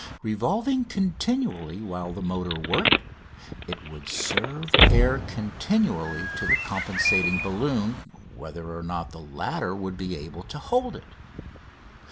Revolving continually while the motor worked, it would serve air continually to the compensating balloon whether or not the latter would be able to hold it.